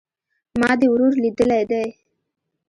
ما دي ورور ليدلى دئ